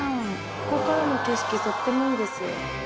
ここからの景色とってもいいです。